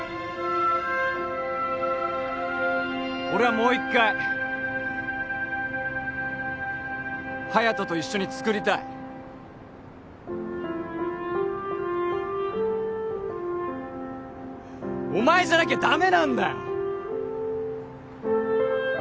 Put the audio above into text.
俺はもう一回隼人と一緒に作りたいお前じゃなきゃダメなんだよ！